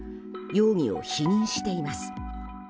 容疑を否認しています。